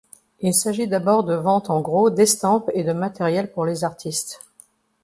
Il s'agit d'abord de ventes en gros d'estampes et de matériels pour les artistes.